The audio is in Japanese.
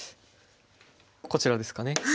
こちらですかね。